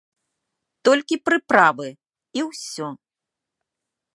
Толькі прыправы, і ўсё.